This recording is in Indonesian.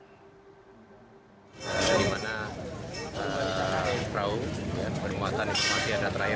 di mana perumahan dan perumahan ini masih ada terakhir